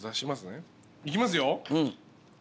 いきますよ。